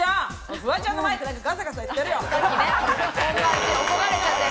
フワちゃんのマイクだけガサガサ言ってるよ。